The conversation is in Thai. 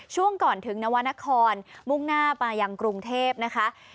ช่วงก่อนถึงนวรรณครมุ่งหน้ามายังกรุงเทพนะคะ